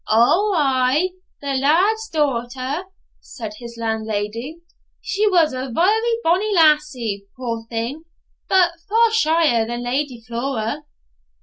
'Ou, ay; the laird's daughter' said his landlady. 'She was a very bonny lassie, poor thing, but far shyer than Lady Flora.'